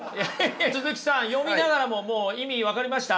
鈴木さん読みながらももう意味分かりました？